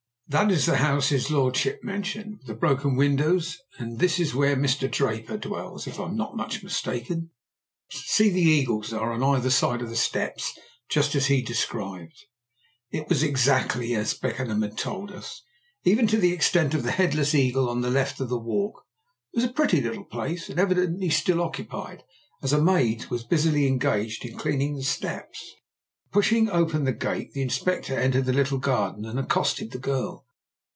"That is the house his lordship mentioned, with the broken windows, and this is where Mr. Draper dwells, if I am not much mistaken see the eagles are on either, side of the steps, just as described." It was exactly as Beckenham had told us, even to the extent of the headless eagle on the left of the walk. It was a pretty little place, and evidently still occupied, as a maid was busily engaged cleaning the steps. Pushing open the gate, the Inspector entered the little garden and accosted the girl.